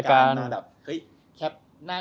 แคปหน้าจอรูปมา